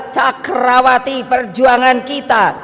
cakrawati perjuangan kita